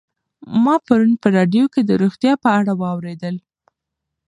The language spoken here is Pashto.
ما پرون په راډیو کې د روغتیا په اړه واورېدل.